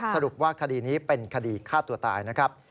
สรุปว่าคดีนี้เป็นคดีฆ่าตัวตายนะครับ